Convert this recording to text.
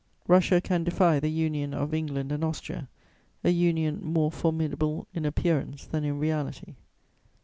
Russia can defy the union of England and Austria, a union more formidable in appearance than in reality.